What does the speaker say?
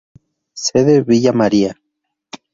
Sede Villa María.